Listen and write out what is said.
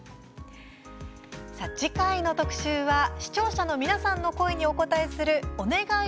次回の特集は視聴者の皆さんの声にお応えする「おねがい！